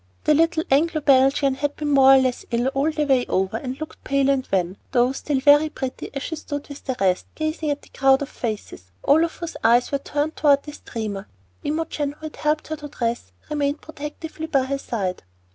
The little Anglo Belgian had been more or less ill all the way over, and looked pale and wan, though still very pretty, as she stood with the rest, gazing at the crowd of faces, all of whose eyes were turned toward the steamer. Imogen, who had helped her to dress, remained protectingly by her side.